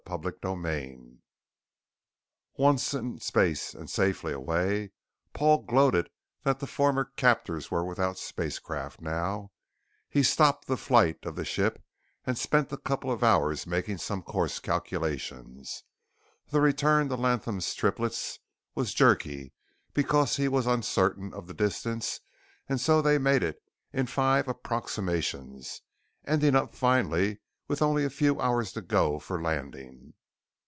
CHAPTER 15 Once in space and safely away Paul gloated that the former captors were without spacecraft now he stopped the flight of the ship and spent a couple of hours making some course calculations. The return to Latham's Triplets was jerky because he was uncertain of the distance and so they made it in five approximations, ending up finally with only a few hours to go for landing.